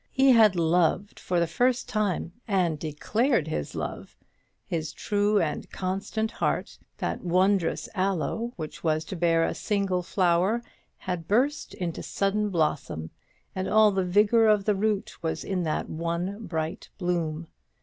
He had loved for the first time, and declared his love. His true and constant heart, that wondrous aloe which was to bear a single flower, had burst into sudden blossom, and all the vigour of the root was in that one bright bloom.